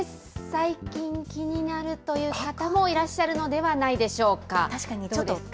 最近気になるという方もいらっしゃるのではないでしょうか。